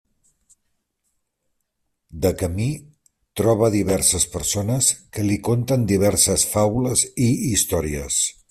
De camí, troba diverses persones que li conten diverses faules i històries.